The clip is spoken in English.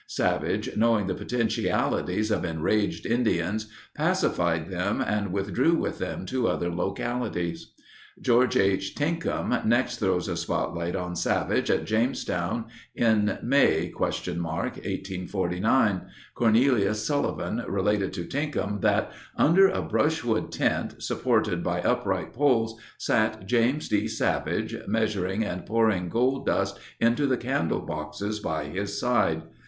Savage, knowing the potentialities of enraged Indians, pacified them and withdrew with them to other localities. George H. Tinkham next throws a spotlight on Savage at Jamestown in May (?) 1849. Cornelius Sullivan related to Tinkham that under a brushwood tent, supported by upright poles, sat James D. Savage, measuring and pouring gold dust into the candle boxes by his side.